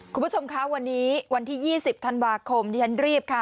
คุณผู้ชมคะวันนี้วันที่๒๐ธันวาคมดิฉันรีบค่ะ